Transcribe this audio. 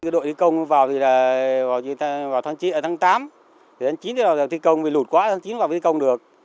đội thi công vào tháng tám tháng chín thì thi công bị lụt quá tháng chín vào thi công được